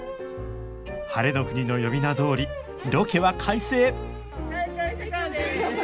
晴れの国の呼び名どおりロケは快晴！